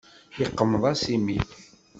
Yeqmeḍ-as imi.